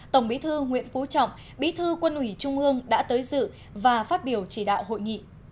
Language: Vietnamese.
tổng bí thư nguyễn phú trọng bí thư quân ủy trung ương đã tới dự và phát biểu chỉ đạo hội nghị